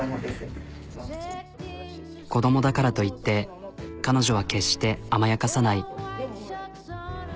子供だからといって彼女は決して甘やかさない。